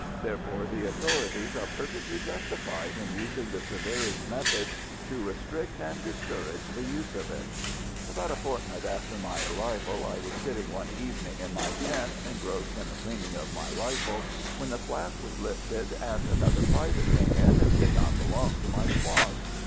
Therefore the authorities are perfectly justified in using the severest methods to restrict and discourage the use of it. About a fortnight after my arrival I was sitting one evening in my tent engrossed in the cleaning of my rifle, when the flap was lifted, and another private came in who did not belong to my squad.